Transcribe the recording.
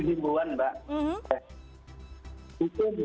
itu bukan hukuman mbak